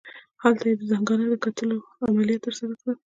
هلته یې د زنګانه د کتلولو عملیات ترسره کړل.